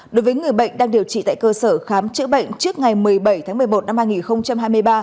đối với người bệnh đang điều trị tại cơ sở khám chữa bệnh trước ngày một mươi bảy tháng một mươi một năm hai nghìn hai mươi ba